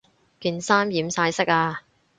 件衫染晒色呀